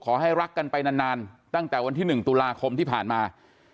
ขอให้รักกันไปนานตั้งแต่วันที่๑ตุลาคมที่ผ่านมา